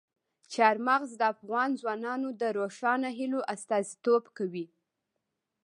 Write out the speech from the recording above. چار مغز د افغان ځوانانو د روښانه هیلو استازیتوب کوي.